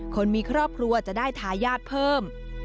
คนมีครอบครัวจะได้ทายาทเพิ่ม